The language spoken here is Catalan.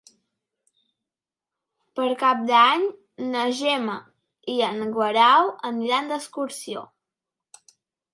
Per Cap d'Any na Gemma i en Guerau aniran d'excursió.